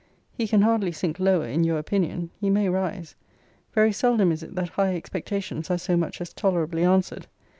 He can hardly sink lower in your opinion: he may rise. Very seldom is it that high expectations are so much as tolerably answered.